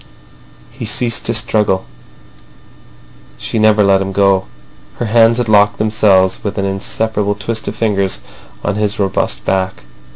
He ceased to struggle; she never let him go. Her hands had locked themselves with an inseparable twist of fingers on his robust back.